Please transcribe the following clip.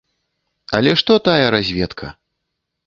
Але што тая разведка!